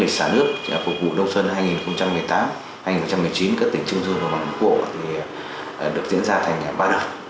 xả nước phục vụ đông xuân hai nghìn một mươi tám hai nghìn một mươi chín các tỉnh trung du và bắc bộ được diễn ra thành ba đợt